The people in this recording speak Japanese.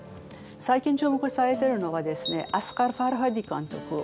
最近注目されているのはですねアスガー・ファルハディ監督。